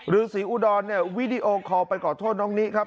ฤษีอุดรเนี่ยวิดีโอคอลไปขอโทษน้องนิครับ